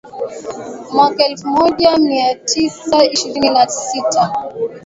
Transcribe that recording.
mwaka elfu moja mia tisa ishirini na sita